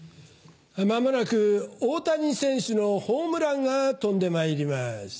まもなく大谷選手のホームランが飛んでまいります。